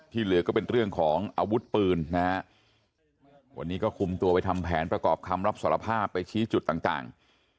เหลือก็เป็นเรื่องของอาวุธปืนนะฮะวันนี้ก็คุมตัวไปทำแผนประกอบคำรับสารภาพไปชี้จุดต่าง